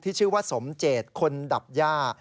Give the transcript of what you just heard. ชื่อว่าสมเจตคนดับย่า